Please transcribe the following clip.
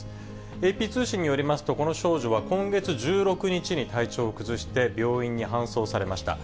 ＡＰ通信によりますと、この少女は今月１６日に体調を崩して、病院に搬送されました。